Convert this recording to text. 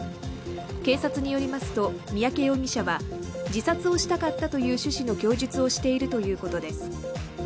警察によりますと三宅容疑者は自殺をしたかったという趣旨の供述をしているということです。